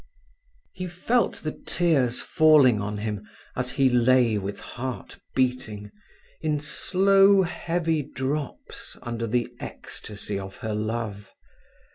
He felt the tears falling on him as he lay with heart beating in slow heavy drops under the ecstasy of her love.